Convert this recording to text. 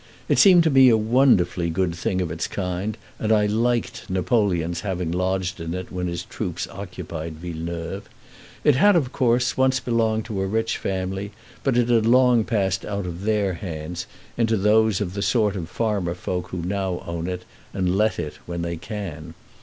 It seemed to me a wonderfully good thing of its kind, and I liked Napoleon's having lodged in it when his troops occupied Villeneuve. It had, of course, once belonged to a rich family, but it had long passed out of their hands into those of the sort of farmer folk who now own it, and let it when they can.